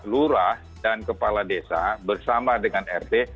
lurah dan kepala desa bersama dengan rt